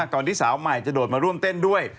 ที่สาวใหม่จะโดดมาร่วมเต้นด้วย